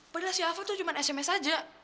padahal si alva itu cuma sms aja